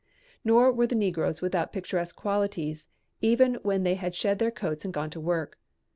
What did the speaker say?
Nor were the negroes without picturesque qualities even when they had shed their coats and gone to work.